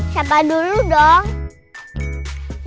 siapa dulu dong